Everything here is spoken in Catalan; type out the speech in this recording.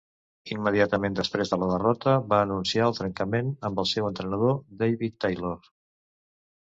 Immediatament després de la derrota va anunciar el trencament amb el seu entrenador David Taylor.